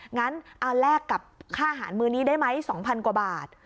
งั้นเอาแลกกับค่าอาหารมือนี้ได้ไหม๒๐๐กว่าบาท